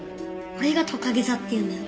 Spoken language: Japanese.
これがとかげ座っていうんだよ。